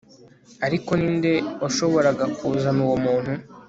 ariko ninde washoboraga kuzana uwo muntu